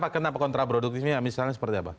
kenapa kontraproduktifnya misalnya seperti apa